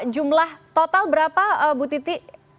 jumlah total berapa bu titi